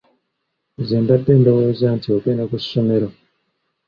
Nze mbadde ndowooza nti ogende ku ssomero.